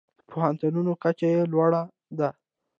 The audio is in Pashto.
د پوهنتونونو کچه یې لوړه ده.